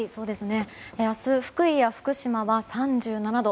明日、福井や福島は３７度。